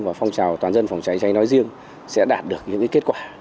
và phong trào toàn dân phòng cháy cháy nói riêng sẽ đạt được những kết quả